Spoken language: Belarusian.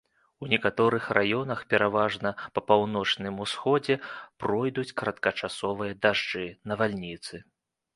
У некаторых раёнах, пераважна па паўночным усходзе, пройдуць кароткачасовыя дажджы, навальніцы.